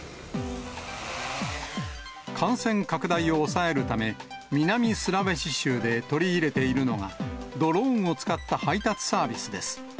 感染拡大を抑えるため、南スラウェシ州で取り入れているのが、ドローンを使った配達サービスです。